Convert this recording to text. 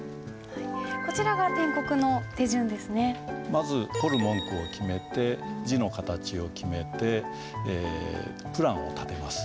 まず彫る文句を決めて字の形を決めてプランを立てます。